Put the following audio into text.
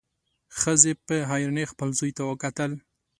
ښځې په حيرانۍ خپل زوی ته وکتل.